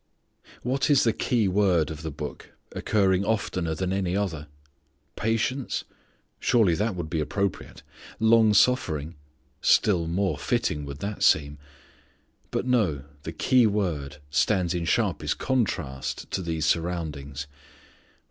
What is the keyword of the book, occurring oftener than any other? Patience? Surely that would be appropriate. Long suffering? Still more fitting would that seem. But, no, the keyword stands in sharpest contrast to these surroundings.